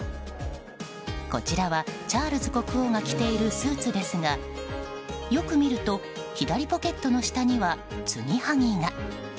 こちらはチャールズ国王が着ているスーツですがよく見ると、左ポケットの下にはつぎはぎが。